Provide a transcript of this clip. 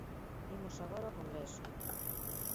Imos agora ao Congreso.